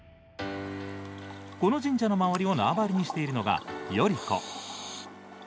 この神社の周りを縄張りにしているのが、頼子。